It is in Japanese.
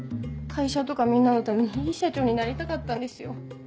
会社とかみんなのためにいい社長になりたかったんですよ。